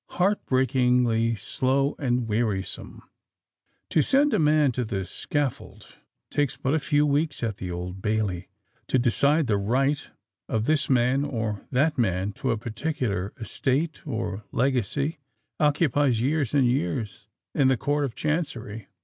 heart breakingly slow and wearisome! To send a man to the scaffold, takes but a few weeks at the Old Bailey:—to decide the right of this man or that man to a particular estate, or legacy, occupies years and years in the Court of Chancery.